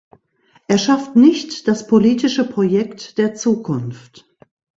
Er schafft nicht das politische Projekt der Zukunft.